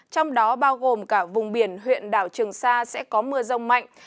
trong đó bao gồm cả vùng biển huyện đảo trường sa sẽ có mưa rông mạnh